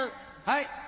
はい。